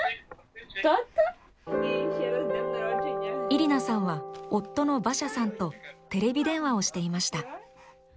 イリナさんは夫のヴァシャさんとテレビ電話をしていました。